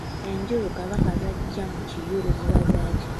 Enjulu Kabaka z'aggya mu kiyulu ziba zaki?